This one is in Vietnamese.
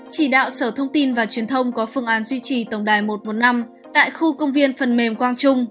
chỉ đạo sở thông tin và truyền thông có phương án duy trì tổng đài một trăm một mươi năm tại khu công viên phần mềm quang trung